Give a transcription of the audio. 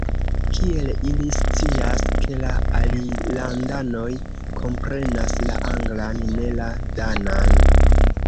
Kiel ili scias, ke la alilandanoj komprenas la anglan, ne la danan?